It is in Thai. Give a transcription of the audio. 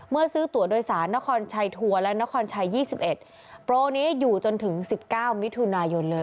ซื้อตัวโดยสารนครชัยทัวร์และนครชัย๒๑โปรนี้อยู่จนถึง๑๙มิถุนายนเลย